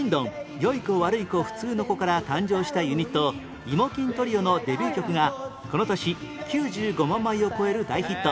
良い子悪い子普通の子』から誕生したユニットイモ欽トリオのデビュー曲がこの年９５万枚を超える大ヒット